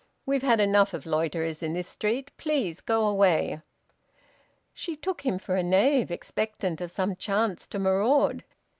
"We've had enough of loiterers in this street. Please go away." She took him for a knave expectant of some chance to maraud.